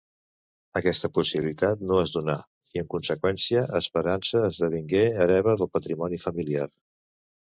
Aquesta possibilitat no es donà i, en conseqüència, Esperança esdevingué hereva del patrimoni familiar.